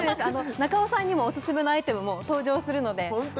中尾さんにもオススメのアイテムも登場するのでホントに？